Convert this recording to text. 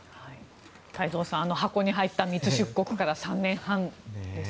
太蔵さん箱に入った密出国から３年半です。